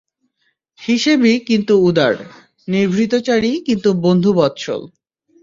হিসেবী কিন্তু উদার, নিভৃতচারী কিন্তু বন্ধুবৎসল।